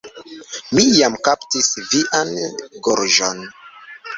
Mi jam kaptis vian gorĝon.